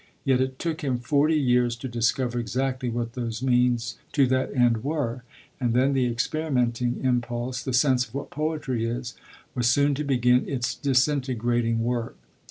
Yet it took him forty years to discover exactly what those means to that end were; and then the experimenting impulse, the sense of what poetry is, was soon to begin its disintegrating work.